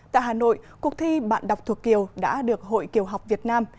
tại hà nội cuộc thi bạn đọc thuộc kiều đã được hội kiều học việt nam